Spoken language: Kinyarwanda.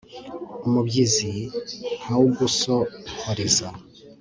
umubyizi nkawugusohoreza